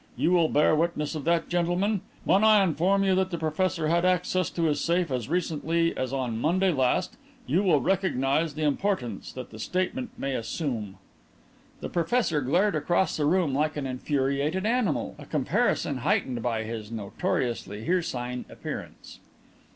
You will bear witness of that, gentlemen. When I inform you that the professor had access to his safe as recently as on Monday last you will recognize the importance that the statement may assume." The professor glared across the room like an infuriated animal, a comparison heightened by his notoriously hircine appearance.